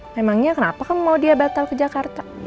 memangnya kenapa kan mau dia batal ke jakarta